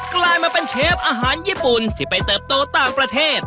กลายมาเป็นเชฟอาหารญี่ปุ่นที่ไปเติบโตต่างประเทศ